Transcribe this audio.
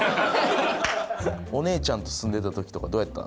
お姉ちゃんと住んでた時とかどうやった？